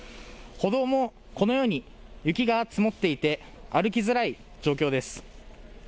歩道もこのように雪が積もっていて歩きづらい状況です。